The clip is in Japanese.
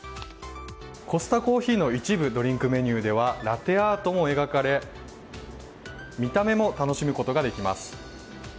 コスタコーヒーの一部のドリンクメニューではラテアートも描かれ見た目も楽しむことができます。